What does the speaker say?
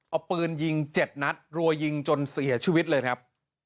เอาปืนยิง๗นัดรัวยิงจนเสียชีวิตเลยครับ